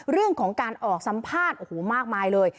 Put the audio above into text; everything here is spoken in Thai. เรื่องของการออกสัมภาษณ์โอ้โหมากมายเลย